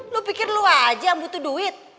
lu pikir lo aja yang butuh duit